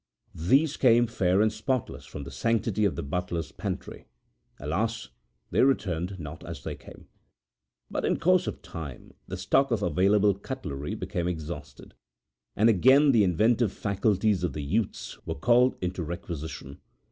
These came fair and spotless from the sanctity of the butler's pantry. Alas! they returned not as they came. But in course of time the stock of available cutlery became exhausted, and again the inventive faculties of the youths were called into requisition.